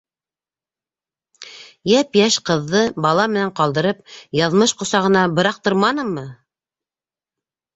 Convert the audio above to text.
Йәп-йәш ҡыҙҙы бала менән ҡалдырып, яҙмыш ҡосағына быраҡтырманымы?